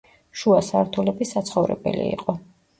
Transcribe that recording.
შუა სართულები საცხოვრებელი იყო.